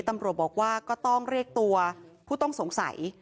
ตำรวจบอกว่าก็ต้องเรียกตัวผู้ต้องสงสัย